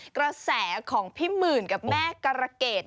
กระแสของพี่หมื่นกับแม่การะเกด